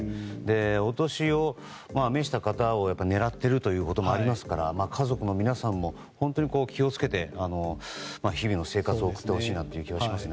お年を召した方を狙っていることもありますから家族の皆さんも本当に気を付けて日々の生活を送ってほしいと思います。